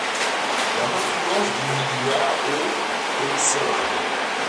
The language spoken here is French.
Leur influence diminua aux et siècles.